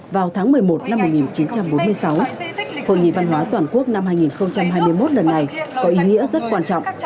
vào tháng một mươi một năm một nghìn chín trăm bốn mươi sáu hội nghị văn hóa toàn quốc năm hai nghìn hai mươi một lần này có ý nghĩa rất quan trọng